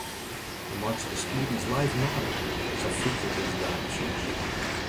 Wy meitsje de skiednis live mei, sa fielt it dizze dagen soms.